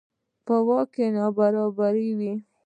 په واک کې نابرابري.